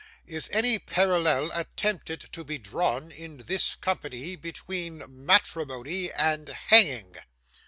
'Is any parallel attempted to be drawn in this company between matrimony and hanging?